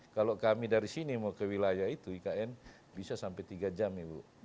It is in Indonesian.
kalau kami dari sini mau ke wilayah itu ikn bisa sampai tiga jam ibu